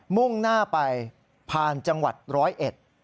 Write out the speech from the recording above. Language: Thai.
มุ่งหน้าไปผ่านจังหวัดร้อยเอ็ด